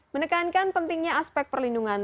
menekankan pentingnya aspek perlindungan